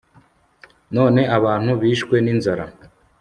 none abantu bishwe n'inzara